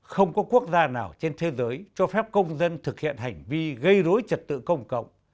không có quốc gia nào trên thế giới cho phép công dân thực hiện hành vi gây rối trật tự công cộng